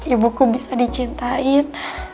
ibuku bisa dicintain